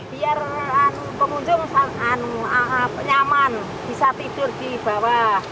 biar pengunjung nyaman bisa tidur di bawah